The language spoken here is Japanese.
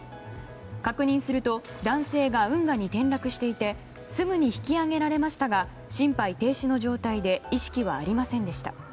確認すると男性が運河に転落していてすぐに引き揚げられましたが心肺停止の状態で意識はありませんでした。